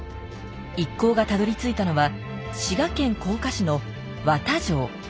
一行がたどりついたのは滋賀県甲賀市の和田城。